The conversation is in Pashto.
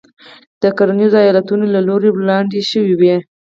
د کرنیزو ایالتونو له لوري وړاندې شوې وې.